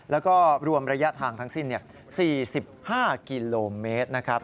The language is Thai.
แล้วก็รวมระยะทางทั้งสิ้น๔๕กิโลเมตรนะครับ